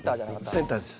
センターです。